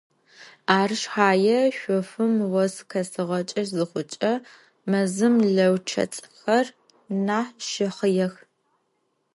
Ары шъхьае шъофым ос къесыгъакӏэ зыхъукӏэ мэзым лэучэцӏхэр нахь щэхъыех.